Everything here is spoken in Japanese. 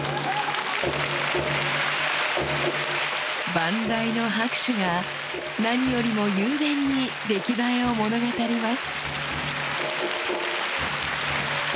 万雷の拍手が何よりも雄弁に出来栄えを物語ります